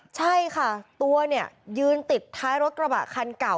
ใช่ค่ะตัวเนี่ยยืนติดท้ายรถกระบะคันเก่า